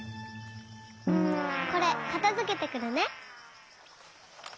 これかたづけてくるね。